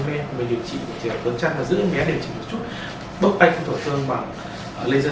cẩn trang để điều trị chỉ là cẩn trang và giữ em bé để chỉ một chút bớt bệnh tổn thương và laser